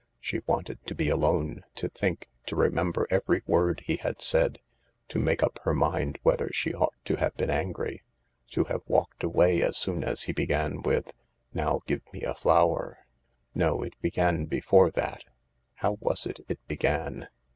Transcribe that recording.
She wanted to be alone, to think, to remember every word he had said, to make up her mind whether she ought to have been angry, to have walked away as soon as he began with :" Now give me a flower .. No, it began before that. How was it it began